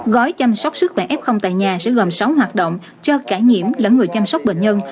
gói chăm sóc sức khỏe f tại nhà sẽ gồm sáu hoạt động cho cả nhiễm lẫn người chăm sóc bệnh nhân